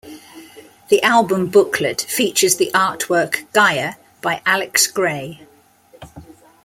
The album booklet features the artwork "Gaia" by Alex Grey.